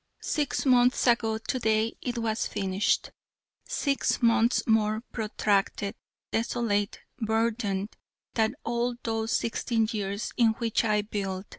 Six months ago to day it was finished: six months more protracted, desolate, burdened, than all those sixteen years in which I built.